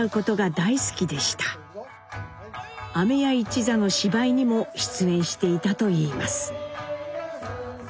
飴屋一座の芝居にも出演していたといいます。